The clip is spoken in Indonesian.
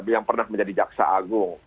yang pernah menjadi jaksa agung